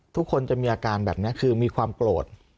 ทุกคนจะมีอาการแบบนี้คือมีความโกรธ